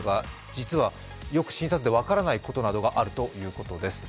実はよく診察で分からないことがあるということです。